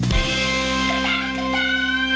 บ๊ายบาย